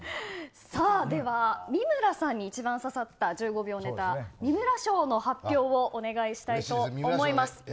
では、三村さんに一番刺さった１５秒ネタ、三村賞の発表をお願いしたいと思います。